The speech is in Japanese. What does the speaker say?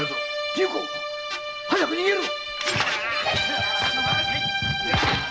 龍虎早く逃げろ！